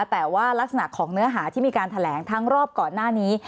แต่ว่ารักษณะของเนื้อหาที่มีการแถลงทั้งรอบก่อนหน้านี้